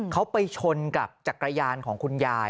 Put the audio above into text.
เขาไปชนกับจักรยานของคุณยาย